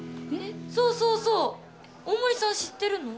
そうそうそう大森さん知ってるの？